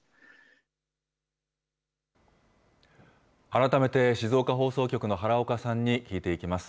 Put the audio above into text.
改めて静岡放送局の原岡さんに聞いていきます。